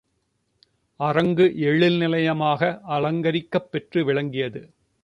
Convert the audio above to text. அரங்கு எழில் நிலையமாக அலங்கரிக்கப் பெற்று விளங்கியது.